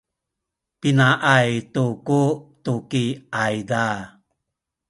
pinaay tu ku tuki ayza?